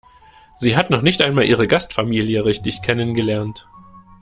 Sie hat noch nicht einmal ihre Gastfamilie richtig kennengelernt.